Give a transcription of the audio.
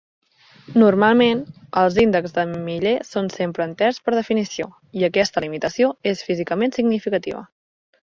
Normalment, els índexs de Miller són sempre enters per definició i aquesta limitació és físicament significativa.